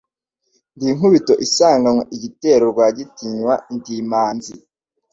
Ndi inkubito isanganwa igitero Rwagitinywa ndi Imanzi,